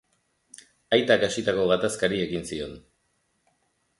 Aitak hasitako gatazkari ekin zion.